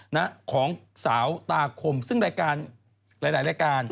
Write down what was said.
นะของสาวตาคมซึ่งรายการหลายหลายรายการ